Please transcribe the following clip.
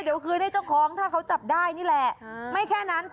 เดี๋ยวคืนให้เจ้าของถ้าเขาจับได้นี่แหละ